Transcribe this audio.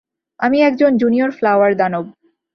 আমি একজন junior flower দানব।